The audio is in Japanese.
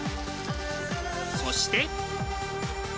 そして。